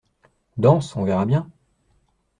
Danse, on verra bien.